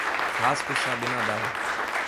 Rasko sabe nadar.